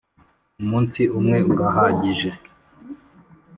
Umunsi umwe urahagije.